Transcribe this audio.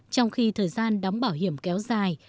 trong khi thời gian đóng bảo hiểm kéo dài